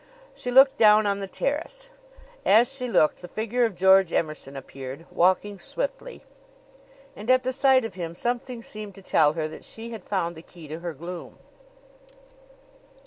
She looked down on the terrace; as she looked the figure of George Emerson appeared, walking swiftly. And at the sight of him something seemed to tell her that she had found the key to her gloom.